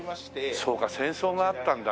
そうか戦争があったんだね。